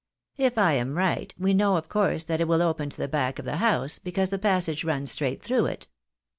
If I am right, we know of course that it will open to the back of the house, because the passage runs straight through it.